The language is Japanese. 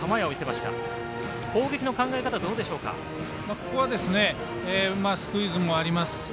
ここはスクイズもあります。